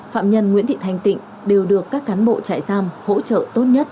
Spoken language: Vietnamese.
phạm nhân nguyễn thị thanh tịnh đều được các cán bộ trại giam hỗ trợ tốt nhất